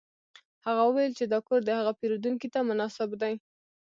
هغه وویل چې دا کور د هغه پیرودونکي ته مناسب دی